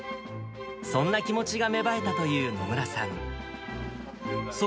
そんな気持ちが芽生えたという野村さん。